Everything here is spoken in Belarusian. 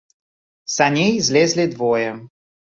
З саней злезлі двое.